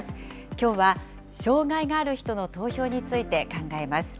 きょうは、障害がある人の投票について考えます。